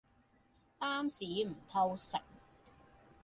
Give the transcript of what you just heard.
擔屎唔偷食